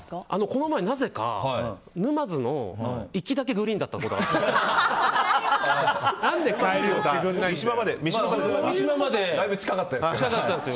この前なぜか沼津の行きだけグリーンだったことがあります。